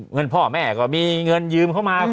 เงินพ่อแม่ก็มีเงินยืมเข้ามา